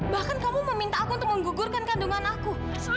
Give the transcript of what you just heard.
bahkan kamu meminta aku untuk menggugurkan kandungan aku